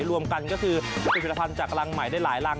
รวมกันก็คือผลิตภัณฑ์จากรังใหม่ได้หลายรัง